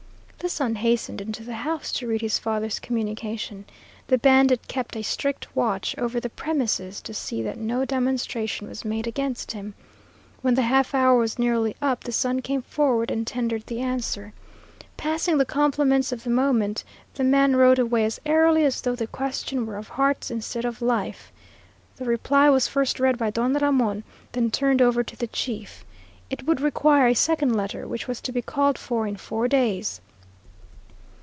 The son hastened into the house to read his father's communication. The bandit kept a strict watch over the premises to see that no demonstration was made against him. When the half hour was nearly up, the son came forward and tendered the answer. Passing the compliments of the moment, the man rode away as airily as though the question were of hearts instead of life. The reply was first read by Don Ramon, then turned over to the chief. It would require a second letter, which was to be called for in four days.